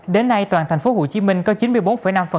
đến nay toàn thành phố hồ chí minh có chín mươi bốn năm phần